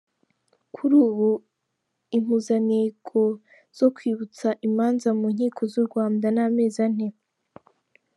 Kuri ubu impuzanengo zo kwihutisha imanza mu nkiko z’u Rwanda ni amezi ane.